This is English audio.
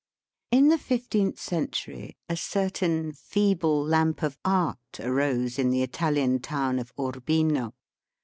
In the fifteenth century, a certain feeble lamp of art arose in the Italian town of Urbino.